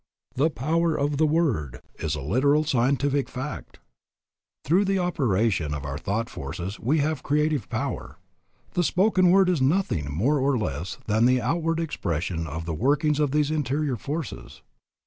The "power of the word" is a literal scientific fact. Through the operation of our thought forces we have creative power. The spoken word is nothing more nor less than the outward expression of the workings of these interior forces.